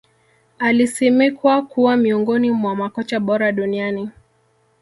Alisimikwa kuwa miongoni mwa makocha bora duniani